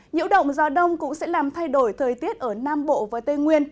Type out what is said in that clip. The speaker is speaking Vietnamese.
nhiễu động gió đông cũng sẽ làm thay đổi thời tiết ở nam bộ và tây nguyên